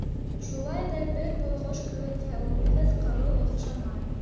Шулай ҙа, бер байғош кеүек, яуапһыҙ ҡалыу оҡшамай.